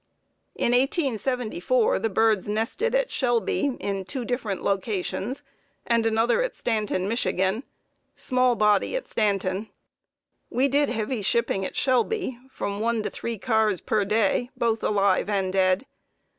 In 1874 the birds nested at Shelby in two different locations and another at Stanton, Mich.; small body at Stanton. We did heavy shipping at Shelby, from one to three cars per day, both alive and dead.